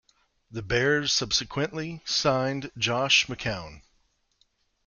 The Bears subsequently signed Josh McCown.